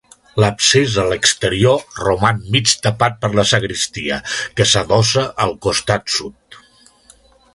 L’absis, a l’exterior, roman mig tapat per la sagristia, que s’adossa al costat sud.